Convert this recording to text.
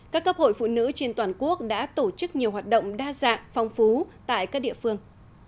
các cấp hội phụ nữ trên toàn quốc đã tổ chức nhiều hoạt động đa dạng phong phú tại các địa phương